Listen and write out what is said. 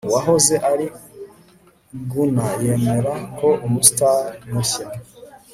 Uwahoze ari Gunner yemera ko umustar mushya